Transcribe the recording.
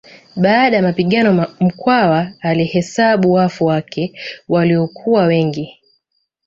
Baada ya mapigano Mkwawa alihesabu wafu wake waliokuwa wengi